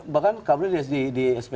bahkan kami di sp tiga